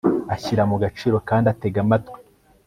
ashyira mu gaciro kandi atega amatwi